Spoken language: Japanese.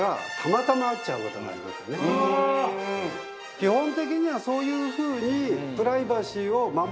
基本的にはそういうふうに。